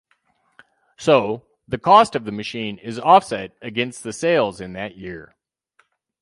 So, the cost of the machine is offset against the sales in that year.